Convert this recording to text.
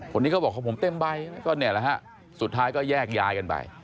คนนี้ก็บอกของผมเต็มใบก็เนี่ยแหละฮะสุดท้ายก็แยกย้ายกันไป